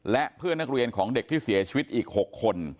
และเพื่อนนักเรียนของเด็กที่เสียชีวิตอีก๖คน